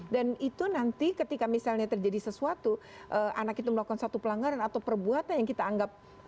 dan itu nanti ketika misalnya terjadi sesuatu anak itu melakukan satu pelanggaran atau perbuatan yang kita anggap berbeda dengan anak